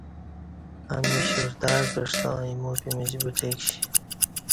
امنی شرتع کعستاں ایموپمیچ بٹہ کشی